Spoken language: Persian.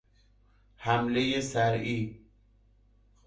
حملهی صرعی